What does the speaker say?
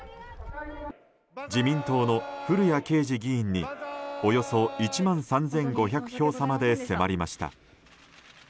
自民党の古屋圭司議員におよそ１万３５００票差まで迫りました。